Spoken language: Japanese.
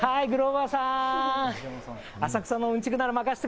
グローバーさん。